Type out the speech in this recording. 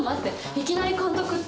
いきなり監督って。